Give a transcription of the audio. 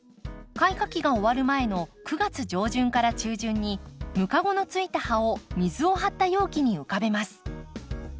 開花期が終わる前の９月上旬から中旬にムカゴのついた葉を水を張った容器に浮かべます。